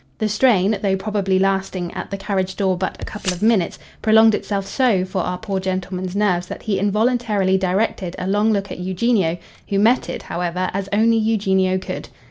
The strain, though probably lasting, at the carriage door, but a couple of minutes, prolonged itself so for our poor gentleman's nerves that he involuntarily directed a long look at Eugenio, who met it, however, as only Eugenio could.